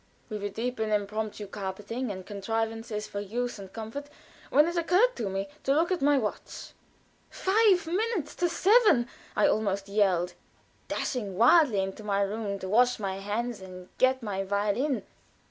We were deep in impromptu carpentering and contrivances for use and comfort, when it occurred to me to look at my watch. "Five minutes to seven!" I almost yelled, dashing wildly into my room to wash my hands and get my violin.